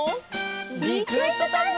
リクエストタイム！